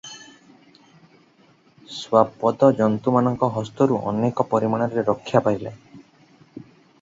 ଶ୍ୱାପଦ ଜନ୍ତୁମାନଙ୍କ ହସ୍ତରୁ ଅନେକ ପରିମାଣରେ ରକ୍ଷା ପାଇଲେ ।